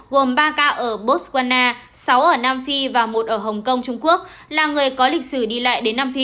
gồm ba ca ở botswana sáu ở nam phi và một ở hồng kông trung quốc là người có lịch sử đi lại đến nam phi